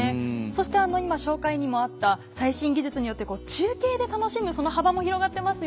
そして今紹介にもあった最新技術によって中継で楽しむその幅も広がってますよね。